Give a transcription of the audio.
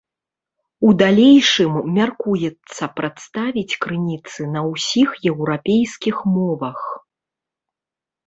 У далейшым мяркуецца прадставіць крыніцы на ўсіх еўрапейскіх мовах.